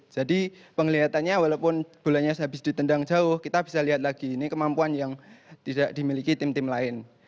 jadi penglihatannya walaupun bolanya habis ditendang jauh kita bisa lihat lagi ini kemampuan yang tidak dimiliki tim tim lain